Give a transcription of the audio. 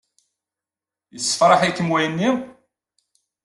Yessefṛaḥ-ikem wayenni?